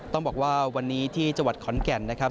ต้องบอกว่าวันนี้ที่จังหวัดขอนแก่นนะครับ